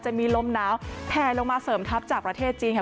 จะมีลมหนาวแพลลงมาเสริมทัพจากประเทศจีนค่ะ